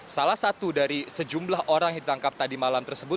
salah satu dari sejumlah orang yang ditangkap tadi malam tersebut